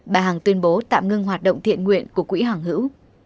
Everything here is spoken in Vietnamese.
bà hằng tuyên bố tạm ngưng hoạt động thiện nguyện của quỹ hoàng hữu